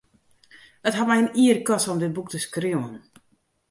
It hat my in jier koste om dit boek te skriuwen.